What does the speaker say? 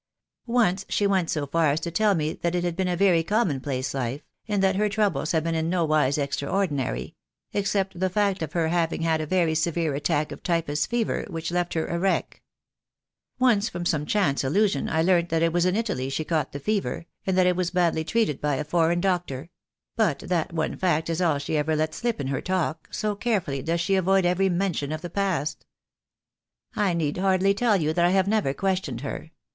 Once she went so far as to tell me that it had been a very common place life, and that her troubles had been in nowise extraordinary — except the fact of her having had a very severe attack of typhus fever, which left her a wreck. Once from some chance allusion I learnt that it was in Italy she caught the fever, and that it was badly treated by a foreign doctor; but that one fact is all she ever let slip in her talk, so carefully does she avoid every mention of the past. I need hardly tell you that I have never questioned her.